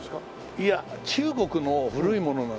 いや中国の古いものなので。